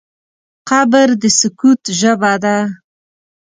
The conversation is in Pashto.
قبر د سکوت ژبه ده.